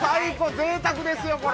ぜいたくですよ、これ。